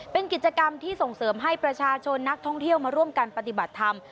เป็นกิจกรรมที่ส่งเสริมให้ประชาชนนักท่องเที่ยวมาร่วมกันปฏิบัติธรรม